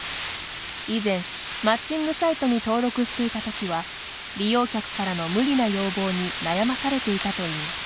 以前、マッチングサイトに登録していた時は利用客からの無理な要望に悩まされていたといいます。